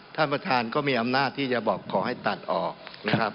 ท่านประธานก็มีอำนาจที่จะบอกขอให้ตัดออกนะครับ